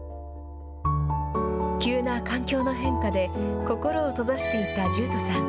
急な環境の変化で、心を閉ざしていた十斗さん。